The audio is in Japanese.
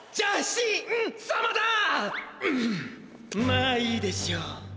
まあいいでしょう。